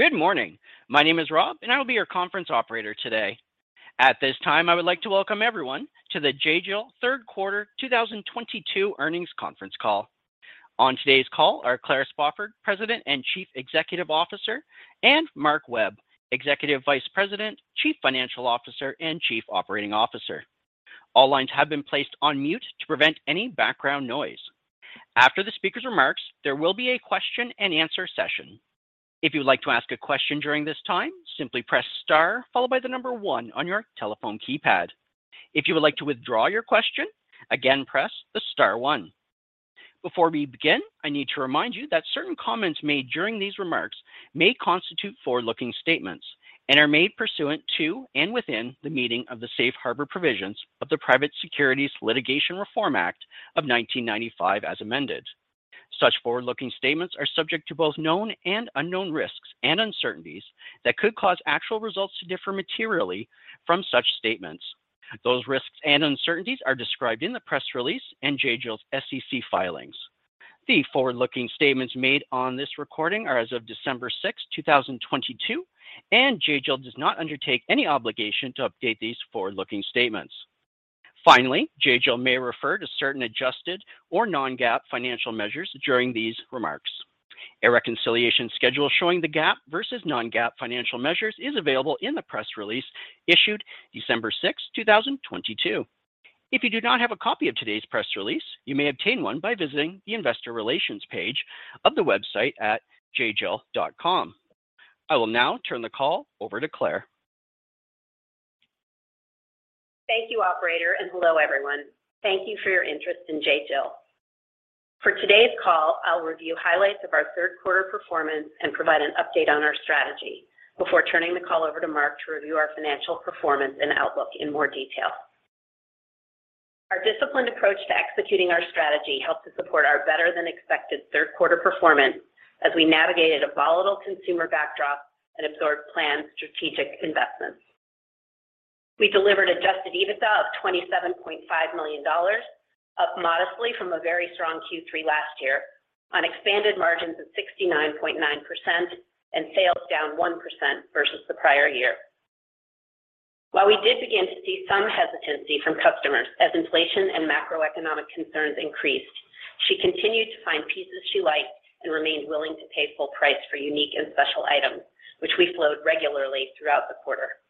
Good morning. My name is Rob, I will be your conference operator today. At this time, I would like to welcome everyone to the J.Jill Third Quarter 2022 Earnings Conference Call. On today's call are Claire Spofford, President and Chief Executive Officer, and Mark Webb, Executive Vice President, Chief Financial Officer and Chief Operating Officer. All lines have been placed on mute to prevent any background noise. After the speaker's remarks, there will be a question and answer session. If you would like to ask a question during this time, simply press star one on your telephone keypad. If you would like to withdraw your question, again, press star one. Before we begin, I need to remind you that certain comments made during these remarks may constitute forward-looking statements and are made pursuant to and within the meaning of the safe harbor provisions of the Private Securities Litigation Reform Act of 1995 as amended. Such forward-looking statements are subject to both known and unknown risks and uncertainties that could cause actual results to differ materially from such statements. Those risks and uncertainties are described in the press release and J.Jill's SEC filings. The forward-looking statements made on this recording are as of December 6, 2022, and J.Jill does not undertake any obligation to update these forward-looking statements. Finally, J.Jill may refer to certain adjusted or non-GAAP financial measures during these remarks. A reconciliation schedule showing the GAAP versus non-GAAP financial measures is available in the press release issued December 6, 2022. If you do not have a copy of today's press release, you may obtain one by visiting the investor relations page of the website at jjill.com. I will now turn the call over to Claire. Thank you, operator, and hello, everyone. Thank you for your interest in J.Jill. For today's call, I'll review highlights of our third quarter performance and provide an update on our strategy before turning the call over to Mark to review our financial performance and outlook in more detail. Our disciplined approach to executing our strategy helped to support our better-than-expected third quarter performance as we navigated a volatile consumer backdrop and absorbed planned strategic investments. We delivered Adjusted EBITDA of $27.5 million, up modestly from a very strong Q3 last year on expanded margins of 69.9% and sales down 1% versus the prior year. While we did begin to see some hesitancy from customers as inflation and macroeconomic concerns increased, she continued to find pieces she liked and remained willing to pay full price for unique and special items, which we flowed regularly throughout the quarter.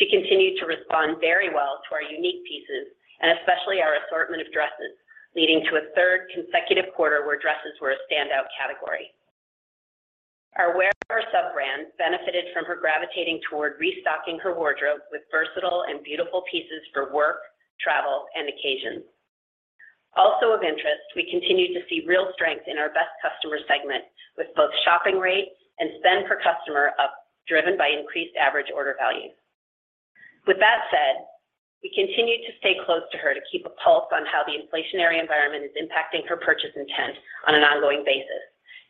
She continued to respond very well to our unique pieces and especially our assortment of dresses, leading to a third consecutive quarter where dresses were a standout category. Our Wearever sub-brand benefited from her gravitating toward restocking her wardrobe with versatile and beautiful pieces for work, travel, and occasions. Also of interest, we continued to see real strength in our best customer segment with both shopping rate and spend per customer up, driven by increased average order value. With that said, we continued to stay close to her to keep a pulse on how the inflationary environment is impacting her purchase intent on an ongoing basis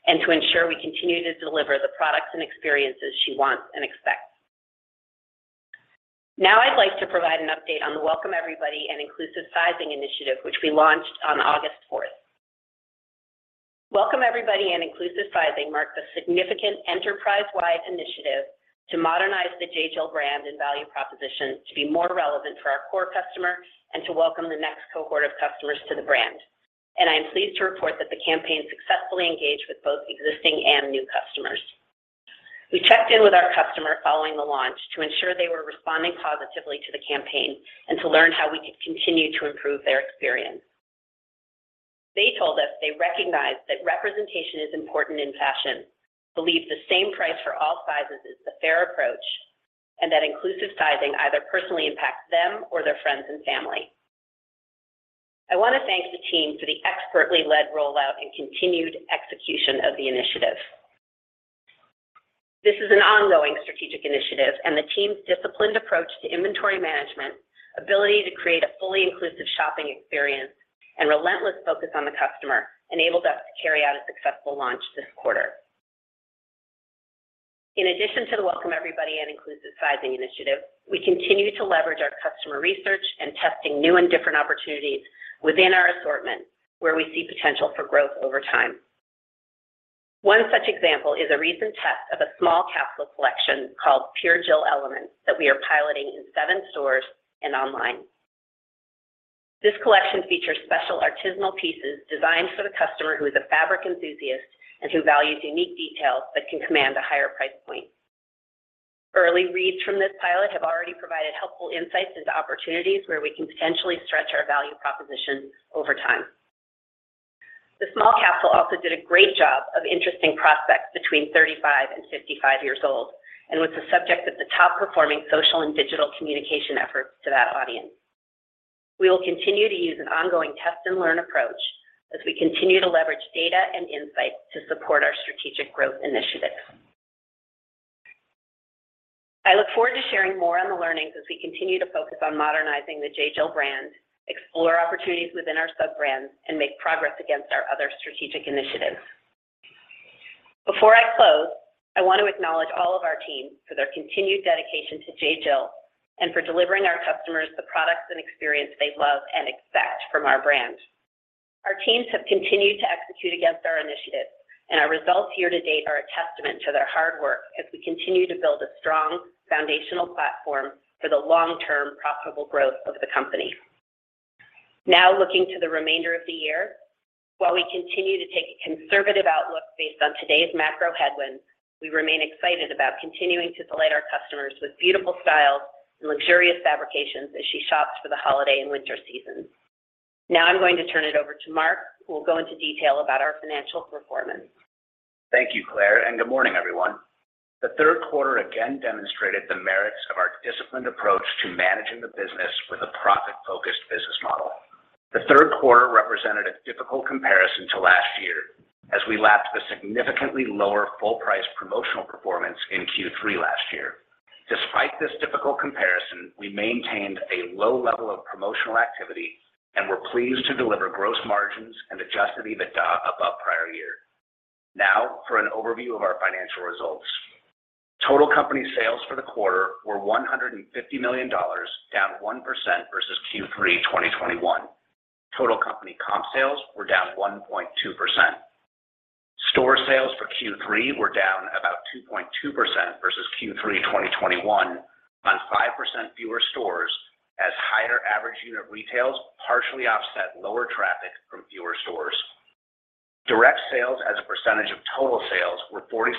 and to ensure we continue to deliver the products and experiences she wants and expects. I'd like to provide an update on the Welcome Everybody and Inclusive Sizing initiative, which we launched on August 4th. Welcome Everybody and Inclusive Sizing marked a significant enterprise-wide initiative to modernize the J.Jill brand and value proposition to be more relevant for our core customer and to welcome the next cohort of customers to the brand, and I am pleased to report that the campaign successfully engaged with both existing and new customers. We checked in with our customer following the launch to ensure they were responding positively to the campaign and to learn how we could continue to improve their experience. They told us they recognized that representation is important in fashion, believe the same price for all sizes is the fair approach, and that Inclusive Sizing either personally impacts them or their friends and family. I want to thank the team for the expertly led rollout and continued execution of the initiative. This is an ongoing strategic initiative and the team's disciplined approach to inventory management, ability to create a fully inclusive shopping experience, and relentless focus on the customer enabled us to carry out a successful launch this quarter. In addition to the Welcome Everybody and Inclusive Sizing initiative, we continue to leverage our customer research and testing new and different opportunities within our assortment where we see potential for growth over time. One such example is a recent test of a small capsule collection called Pure Jill Elements that we are piloting in seven stores and online. This collection features special artisanal pieces designed for the customer who is a fabric enthusiast and who values unique details but can command a higher price point. Early reads from this pilot have already provided helpful insights into opportunities where we can potentially stretch our value proposition over time. The small capsule also did a great job of interesting prospects between 35 and 55 years old and was the subject of the top performing social and digital communication efforts to that audience. We will continue to use an ongoing test and learn approach as we continue to leverage data and insights to support our strategic growth initiatives. I look forward to sharing more on the learnings as we continue to focus on modernizing the J.Jill brand, explore opportunities within our sub-brands, and make progress against our other strategic initiatives. Before I close, I want to acknowledge all of our teams for their continued dedication to J.Jill and for delivering our customers the products and experience they love and expect from our brand. Our teams have continued to execute against our initiatives. Our results here to date are a testament to their hard work as we continue to build a strong foundational platform for the long-term profitable growth of the company. Looking to the remainder of the year, while we continue to take a conservative outlook based on today's macro headwinds, we remain excited about continuing to delight our customers with beautiful styles and luxurious fabrications as she shops for the holiday and winter seasons. I'm going to turn it over to Mark, who will go into detail about our financial performance. Thank you, Claire. Good morning, everyone. The third quarter again demonstrated the merits of our disciplined approach to managing the business with a profit-focused business model. The third quarter represented a difficult comparison to last year as we lapped the significantly lower full price promotional performance in Q3 last year. Despite this difficult comparison, we maintained a low level of promotional activity and were pleased to deliver gross margins and Adjusted EBITDA above prior year. For an overview of our financial results. Total company sales for the quarter were $150 million, down 1% versus Q3 2021. Total company comp sales were down 1.2%. Store sales for Q3 were down about 2.2% versus Q3 2021 on 5% fewer stores as higher average unit retails partially offset lower traffic from fewer stores. Direct Sales as a percentage of Total Sales were 46%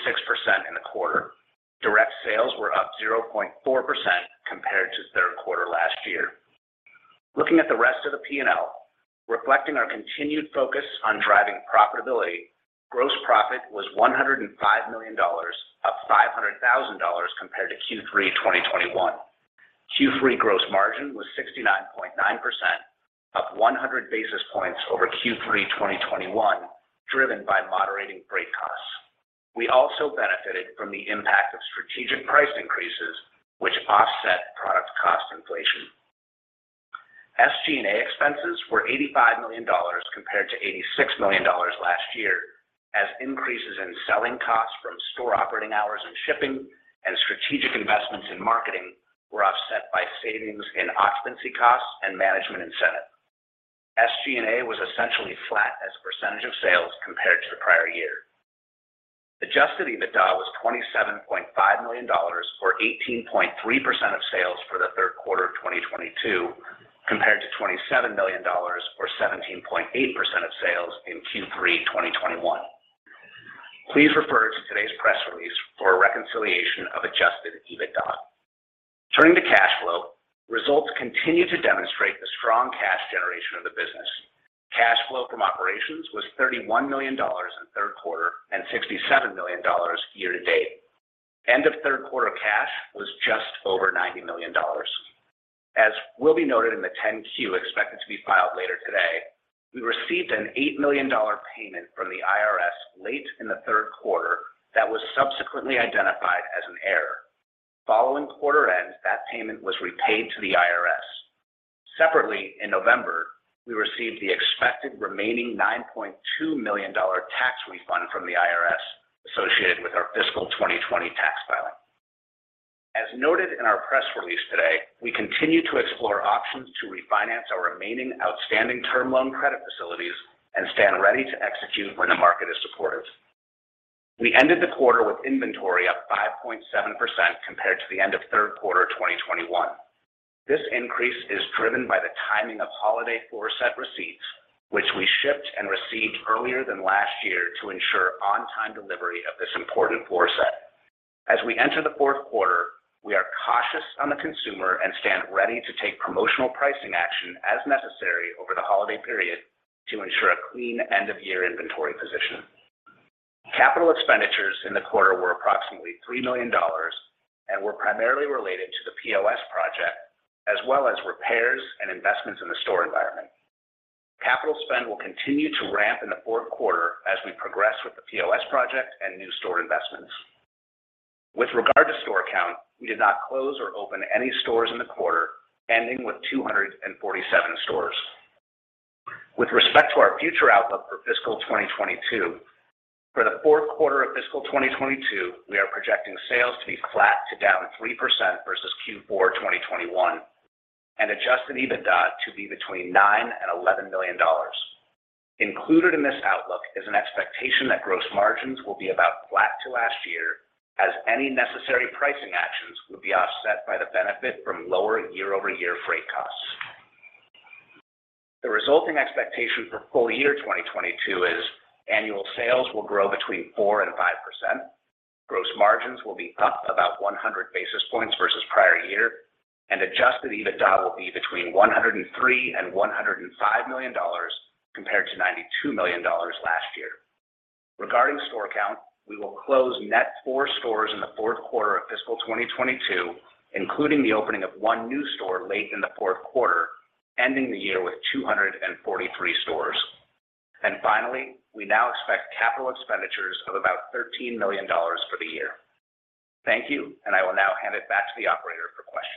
in the quarter. Direct Sales were up 0.4% compared to third quarter last year. Looking at the rest of the P&L, reflecting our continued focus on driving profitability, Gross Profit was $105 million, up $500,000 compared to Q3 2021. Q3 gross margin was 69.9%, up 100 basis points over Q3 2021, driven by moderating freight costs. We also benefited from the impact of strategic price increases, which offset product cost inflation. SG&A expenses were $85 million compared to $86 million last year as increases in selling costs from store operating hours and shipping and strategic investments in marketing were offset by savings in occupancy costs and management incentive. SG&A was essentially flat as a percentage of sales compared to the prior year. Adjusted EBITDA was $27.5 million or 18.3% of sales for the third quarter of 2022, compared to $27 million or 17.8% of sales in Q3 2021. Please refer to today's press release for a reconciliation of Adjusted EBITDA. Turning to cash flow, results continue to demonstrate the strong cash generation of the business. Cash flow from operations was $31 million in third quarter and $67 million year to date. End of third quarter cash was just over $90 million. As will be noted in the 10-Q expected to be filed later today, we received an $8 million payment from the IRS late in the third quarter that was subsequently identified as an error. Following quarter end, that payment was repaid to the IRS. Separately, in November, we received the expected remaining $9.2 million tax refund from the IRS associated with our fiscal 2020 tax filing. As noted in our press release today, we continue to explore options to refinance our remaining outstanding term loan credit facilities and stand ready to execute when the market is supportive. We ended the quarter with inventory up 5.7% compared to the end of third quarter 2021. This increase is driven by the timing of holiday floor set receipts, which we shipped and received earlier than last year to ensure on-time delivery of this important floor set. As we enter the fourth quarter, we are cautious on the consumer and stand ready to take promotional pricing action as necessary over the holiday period to ensure a clean end-of-year inventory position. Capital expenditures in the quarter were approximately $3 million and were primarily related to the POS project, as well as repairs and investments in the store environment. Capital spend will continue to ramp in the fourth quarter as we progress with the POS project and new store investments. With regard to store count, we did not close or open any stores in the quarter, ending with 247 stores. With respect to our future outlook for fiscal 2022, for the fourth quarter of fiscal 2022, we are projecting sales to be flat to down 3% versus Q4 2021, and Adjusted EBITDA to be between $9 million and $11 million. Included in this outlook is an expectation that gross margins will be about flat to last year as any necessary pricing actions would be offset by the benefit from lower year-over-year freight costs. The resulting expectation for full year 2022 is Annual Sales will grow between 4% and 5%. Gross margins will be up about 100 basis points versus prior year. Adjusted EBITDA will be between $103 million and $105 million compared to $92 million last year. Regarding store count, we will close net four stores in the fourth quarter of fiscal 2022, including the opening of one new store late in the fourth quarter, ending the year with 243 stores. Finally, we now expect capital expenditures of about $13 million for the year. Thank you. I will now hand it back to the operator for questions.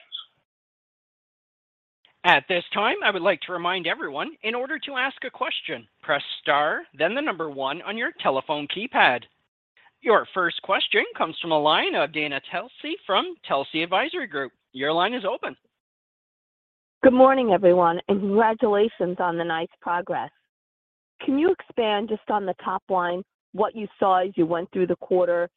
At this time, I would like to remind everyone in order to ask a question, press star, then the number one on your telephone keypad. Your first question comes from the line of Dana Telsey from Telsey Advisory Group. Your line is open. Good morning, everyone. Congratulations on the nice progress. Can you expand just on the top line what you saw as you went through the quarter?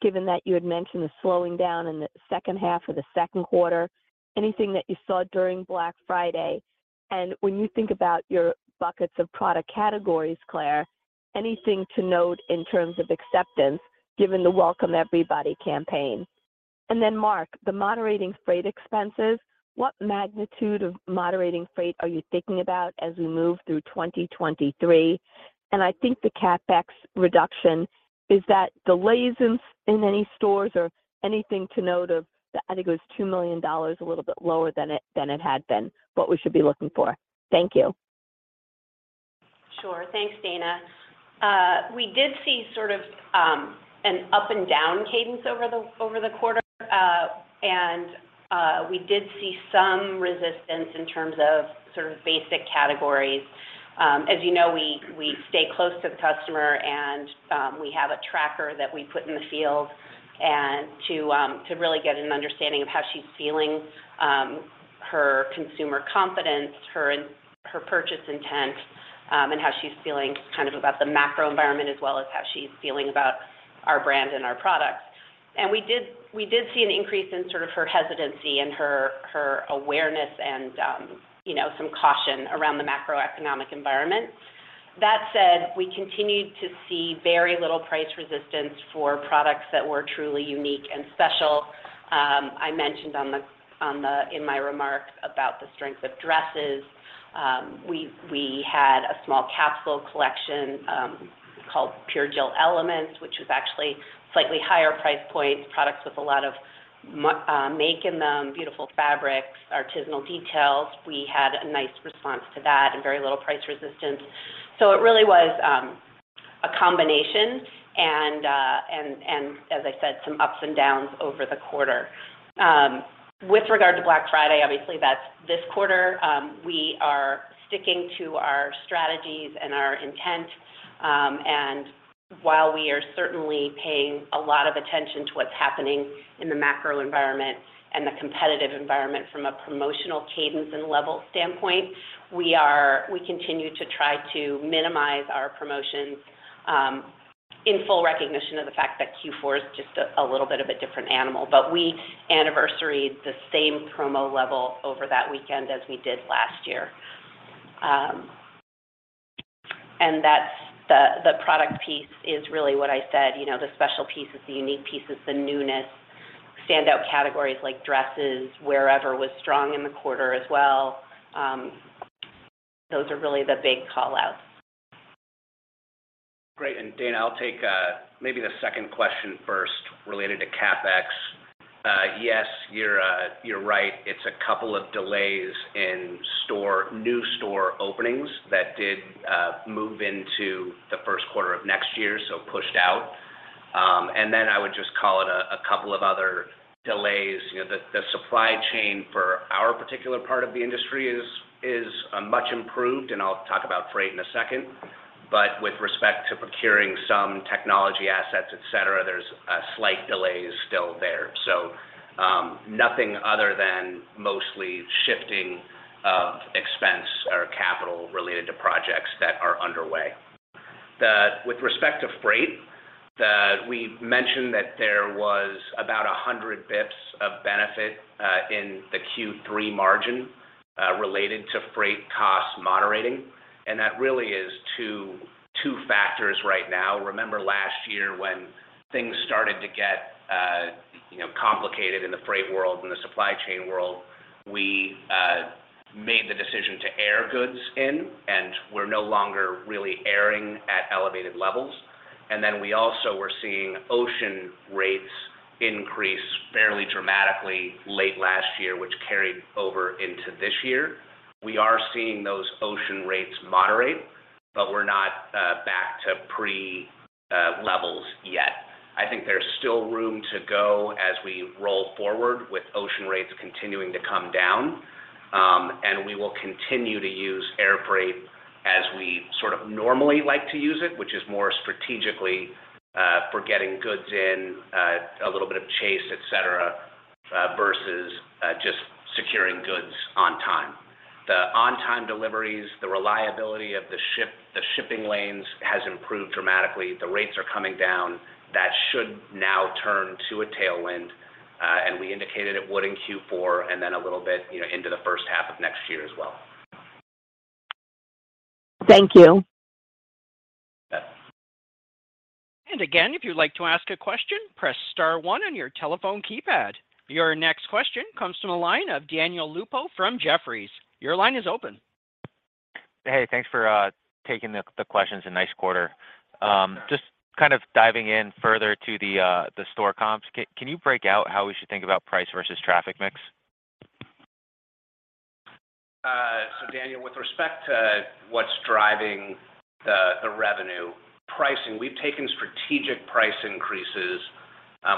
Given that you had mentioned the slowing down in the second half of the second quarter, anything that you saw during Black Friday? When you think about your buckets of product categories, Claire, anything to note in terms of acceptance given the Welcome Everybody campaign? Mark, the moderating freight expenses, what magnitude of moderating freight are you thinking about as we move through 2023? I think the CapEx reduction, is that delays in any stores or anything to note of... I think it was $2 million, a little bit lower than it had been, what we should be looking for. Thank you. Sure. Thanks, Dana. We did see sort of, an up and down cadence over the quarter. We did see some resistance in terms of sort of basic categories. As you know, we stay close to the customer and we have a tracker that we put in the field to really get an understanding of how she's feeling, her consumer confidence, her purchase intent, and how she's feeling kind of about the macro environment as well as how she's feeling about our brand and our products. We did see an increase in sort of her hesitancy and her awareness and, you know, some caution around the macroeconomic environment. That said, we continued to see very little price resistance for products that were truly unique and special. I mentioned in my remarks about the strength of dresses. We had a small capsule collection, called Pure Jill Elements, which was actually slightly higher price point products with a lot of make in them, beautiful fabrics, artisanal details. We had a nice response to that and very little price resistance. It really was a combination and, as I said, some ups and downs over the quarter. With regard to Black Friday, obviously that's this quarter. We are sticking to our strategies and our intent. While we are certainly paying a lot of attention to what's happening in the macro environment and the competitive environment from a promotional cadence and level standpoint, we are, we continue to try to minimize our promotions, in full recognition of the fact that Q4 is just a little bit of a different animal. We anniversaried the same promo level over that weekend as we did last year. That's the product piece is really what I said. You know, the special pieces, the unique pieces, the newness, standout categories like dresses, Wearever was strong in the quarter as well. Those are really the big call-outs. Great. Dana, I'll take maybe the second question first related to CapEx. Yes, you're right. It's a couple of delays in store, new store openings that did move into the first quarter of next year, so pushed out. I would just call it a couple of other delays. You know, the supply chain for our particular part of the industry is much improved, and I'll talk about freight in a second. With respect to procuring some technology assets, et cetera, there's a slight delay is still there. Nothing other than mostly shifting of expense or capital related to projects that are underway. With respect to freight, we mentioned that there was about 100 bps of benefit in the Q3 margin related to freight cost moderating. That really is two factors right now. Remember last year when things started to get, you know, complicated in the freight world and the supply chain world, we made the decision to air goods in, and we're no longer really airing at elevated levels. Then we also were seeing ocean rates increase fairly dramatically late last year, which carried over into this year. We are seeing those ocean rates moderate, but we're not back to pre levels yet. I think there's still room to go as we roll forward with ocean rates continuing to come down. We will continue to use air freight as we sort of normally like to use it, which is more strategically, for getting goods in, a little bit of chase, et cetera, versus, just securing goods on time. The on-time deliveries, the reliability of the ship, the shipping lanes has improved dramatically. The rates are coming down. That should now turn to a tailwind, we indicated it would in Q4 and then a little bit, you know, into the first half of next year as well. Thank you. Yeah. Again, if you'd like to ask a question, press star one on your telephone keypad. Your next question comes from the line of Daniel Lupo from Jefferies. Your line is open. Hey, thanks for taking the questions. A nice quarter. Just kind of diving in further to the store comps, can you break out how we should think about price versus traffic mix? Daniel, with respect to what's driving the revenue pricing, we've taken strategic price increases.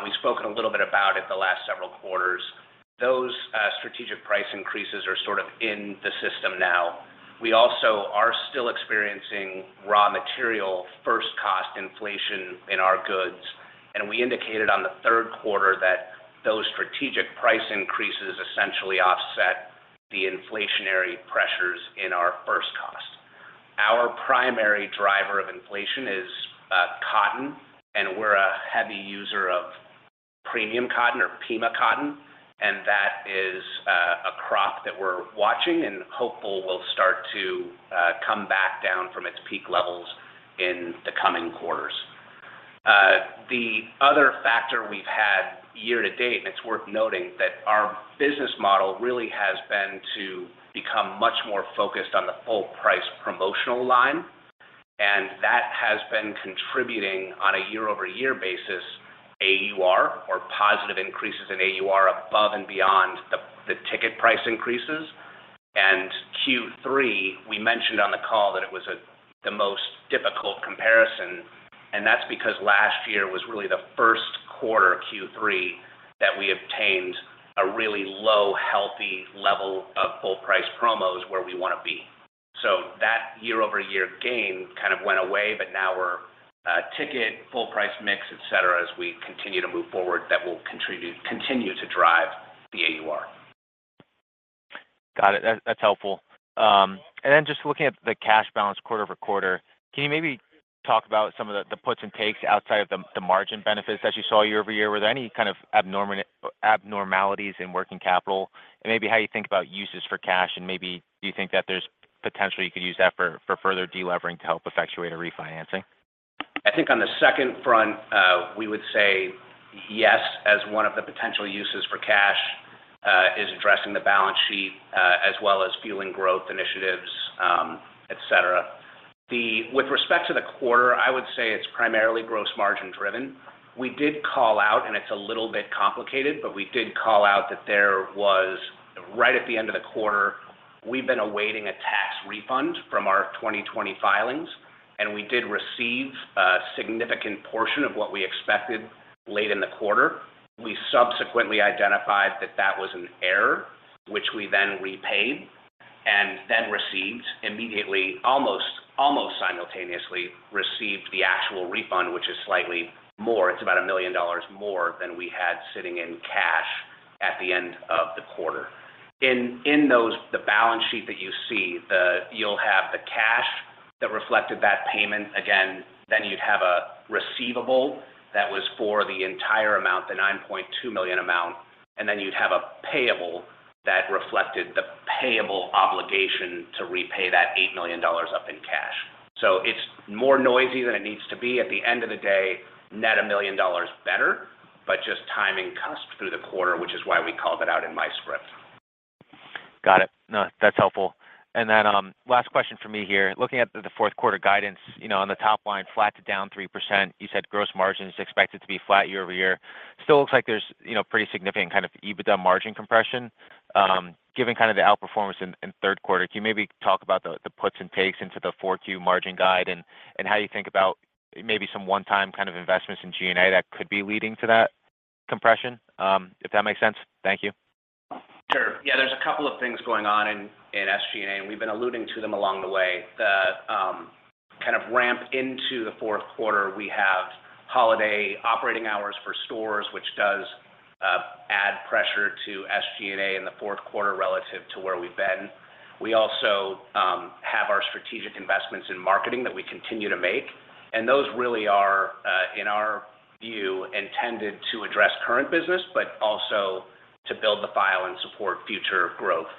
We spoke a little bit about it in the last several quarters. Those strategic price increases are sort of in the system now. We also are still experiencing raw material first cost inflation in our goods. We indicated on the third quarter that those strategic price increases essentially offset the inflationary pressures in our first cost. Our primary driver of inflation is cotton, and we're a heavy user of premium cotton or Pima cotton, and that is a crop that we're watching and hopeful will start to come back down from its peak levels in the coming quarters. The other factor we've had year to date, and it's worth noting, that our business model really has been to become much more focused on the full price promotional line. That has been contributing on a year-over-year basis AUR or positive increases in AUR above and beyond the ticket price increases. Q3, we mentioned on the call that it was the most difficult comparison, and that's because last year was really the first quarter, Q3, that we obtained a really low, healthy level of full price promos where we wanna be. That year-over-year gain kind of went away. Now we're ticket full price mix, et cetera, as we continue to move forward that will continue to drive the AUR. Got it. That's helpful. Then just looking at the cash balance quarter-over-quarter, can you maybe talk about some of the puts and takes outside of the margin benefits that you saw year-over-year? Were there any kind of abnormalities in working capital? Maybe how you think about uses for cash, and maybe do you think that there's potentially you could use that for further de-levering to help effectuate a refinancing? I think on the second front, we would say yes, as one of the potential uses for cash, is addressing the balance sheet, as well as fueling growth initiatives, et cetera. With respect to the quarter, I would say it's primarily gross margin driven. We did call out, and it's a little bit complicated, but we did call out that right at the end of the quarter, we've been awaiting a tax refund from our 2020 filings, and we did receive a significant portion of what we expected late in the quarter. We subsequently identified that that was an error, which we then repaid and then received immediately, almost simultaneously received the actual refund, which is slightly more. It's about $1 million more than we had sitting in cash at the end of the quarter. In those, the balance sheet that you see, you'll have the cash that reflected that payment again. Then you'd have a receivable that was for the entire amount, the $9.2 million amount, and then you'd have a payable that reflected the payable obligation to repay that $8 million up in cash. It's more noisy than it needs to be. At the end of the day, net $1 million better, but just timing cusp through the quarter, which is why we called it out in my script. Got it. No, that's helpful. Then, last question for me here. Looking at the fourth quarter guidance, you know, on the top line, flat to down 3%. You said gross margin is expected to be flat year-over-year. Still looks like there's, you know, pretty significant kind of EBITDA margin compression. Given kind of the outperformance in third quarter, can you maybe talk about the puts and takes into the 4Q margin guide and how you think about maybe some one-time kind of investments in G&A that could be leading to that compression, if that makes sense? Thank you. Sure. Yeah, there's a couple of things going on in SG&A, and we've been alluding to them along the way. The kind of ramp into the fourth quarter, we have holiday operating hours for stores, which does add pressure to SG&A in the fourth quarter relative to where we've been. We also have our strategic investments in marketing that we continue to make, and those really are in our view, intended to address current business, but also to build the file and support future growth.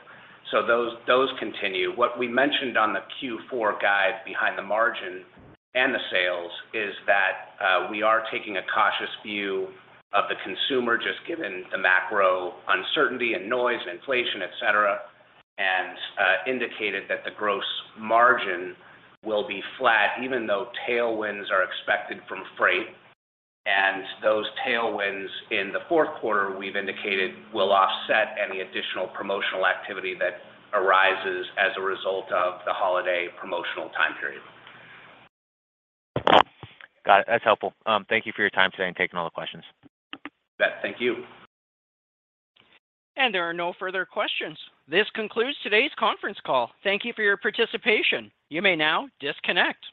Those continue. What we mentioned on the Q4 guide behind the margin and the sales is that we are taking a cautious view of the consumer just given the macro uncertainty and noise, inflation, et cetera, and indicated that the gross margin will be flat even though tailwinds are expected from freight. Those tailwinds in the fourth quarter, we've indicated, will offset any additional promotional activity that arises as a result of the holiday promotional time period. Got it. That's helpful. Thank you for your time today and taking all the questions. Bet. Thank you. There are no further questions. This concludes today's conference call. Thank you for your participation. You may now disconnect.